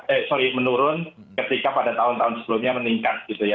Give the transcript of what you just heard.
eh sorry menurun ketika pada tahun tahun sebelumnya meningkat gitu ya